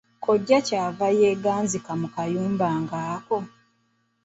Kojja ky'ava yeeganzika mu kayumba ng'ako!